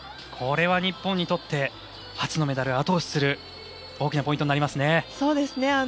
これは日本にとって初のメダルを後押しする大きなポイントになります。